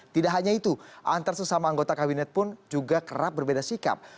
tidak hanya itu antar sesama anggota kabinet pun juga kerap berbeda sikap